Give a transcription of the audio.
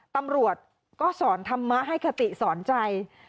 ตำรวจก็สอนธรรมะให้คติสอนใจ